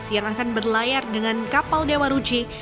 yang akan berlayar dengan kapal dewa ruchi